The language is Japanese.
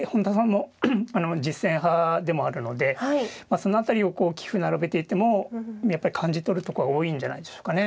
その辺りを棋譜並べていてもやっぱり感じ取るとこは多いんじゃないでしょうかね。